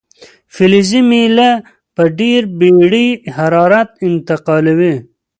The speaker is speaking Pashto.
فلزي میله په ډیره بیړې حرارت انتقالوي.